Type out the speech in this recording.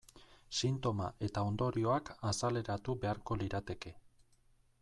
Sintoma eta ondorioak azaleratu beharko lirateke.